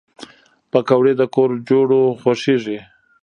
پکورې د کور جوړو خوښېږي